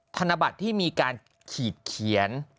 ธนบัตรที่มีการขีดเขียน